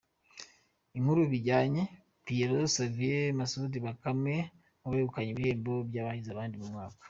Inkuru bijyanye:Pierrot, Savio, Masoudi, Bakame mu begukanye ibihembo by’abahize abandi mu mwaka.